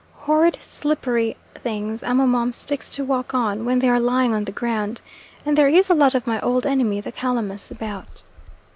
Horrid slippery things amomum sticks to walk on, when they are lying on the ground; and there is a lot of my old enemy the calamus about.